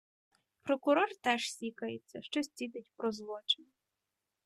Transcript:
Прокурор теж сікається, щось цідить про злочин.